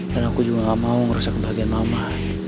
dan aku juga gak mau ngerusak kebahagiaan mama